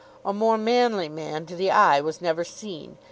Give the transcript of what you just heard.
A more manly man to the eye was never seen.